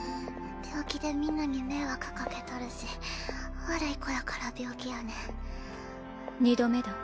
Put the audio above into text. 病気でみんなに迷惑かけとるし悪い子やから病気やねん二度目だ。